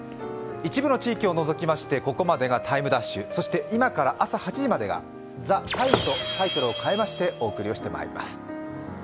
一部の地域を除きまして、ここまでが「ＴＩＭＥ’」、そして今から朝８時までが「ＴＨＥＴＩＭＥ，」とタイトルを変えましてお送りしてまいります。